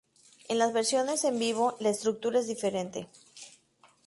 En las versiones en vivo la estructura es diferente.